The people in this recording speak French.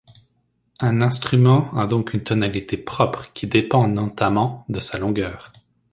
Un instrument a donc une tonalité propre qui dépend, notamment, de sa longueur.